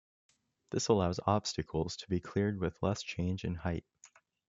This allows obstacles to be cleared with less change in height.